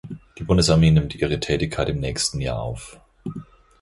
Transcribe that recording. Die Bundesarmee nimmt ihre Tätigkeit im nächsten Jahr auf.